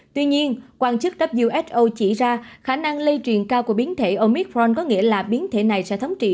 tuy nhiên quan chức who chỉ ra khả năng lây truyền cao của biến thể omicron có nghĩa là biến thể này sẽ thống trị